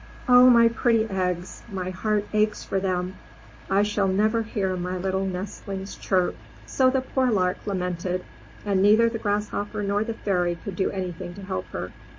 Oh, my pretty eggs! — my heart aiches for them ! I shall never hear my little nestlings chirp." 367 MY BOOK HOUSE So the poor Lark lamented, and neither the Grass hopper nor the Fairy could do anything to help her.